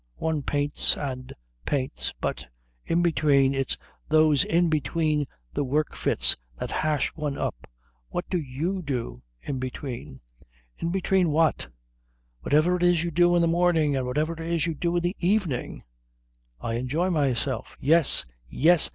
One paints and paints. But in between it's those in between the work fits that hash one up. What do you do in between?" "In between what?" "Whatever it is you do in the morning and whatever it is you do in the evening." "I enjoy myself." "Yes. Yes.